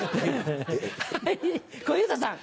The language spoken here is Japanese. はい小遊三さん。